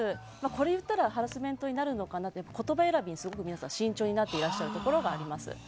これを言ったらハラスメントになるのかなって言葉選びにすごく皆さん慎重になっていらっしゃることがあります。